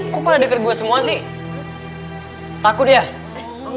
kamu belt folding nggak yang mau mengerjakan